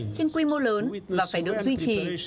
trên quy mô lớn và phải được duy trì